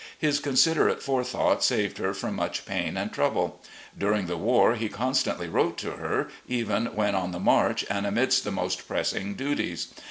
His considerate fore thought saved her from much pain and trouble. During the war he constantly wrote to her, even when on the march and amidst the most pressing duties.